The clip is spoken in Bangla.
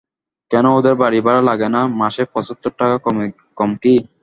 কেন, ওদের বাড়ি ভাড়া লাগে না, মাসে পঁচাত্তর টাকা কম কী।